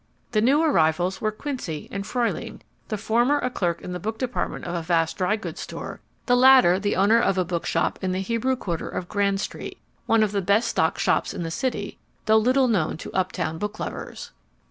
The new arrivals were Quincy and Fruehling; the former a clerk in the book department of a vast drygoods store, the latter the owner of a bookshop in the Hebrew quarter of Grand Street one of the best stocked shops in the city, though little known to uptown book lovers.